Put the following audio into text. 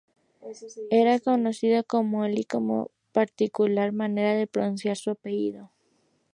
Era conocido como "Ollie" por su particular manera de pronunciar su apellido.